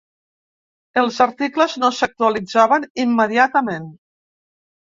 Els articles no s'actualitzaven immediatament.